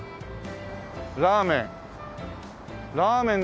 「ラーメン」